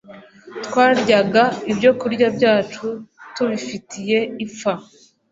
Twaryaga ibyokurya byacu tubifitiye ipfa